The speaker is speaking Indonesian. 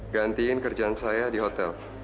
gantiin kerjaan saya di hotel